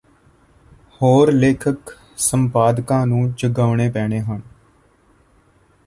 ਹੋਰ ਲੇਖਕ ਸੰਪਾਦਕਾਂ ਨੂੰ ਜਗਾਉਣੇ ਪੈਣੇ ਹਨ